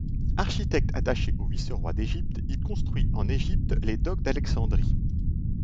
Architecte attaché au vice-roi d'Égypte, il construit en Égypte les docks d'Alexandrie.